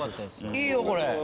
いいよこれ！